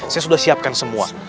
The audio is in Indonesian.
saya sudah siapkan semua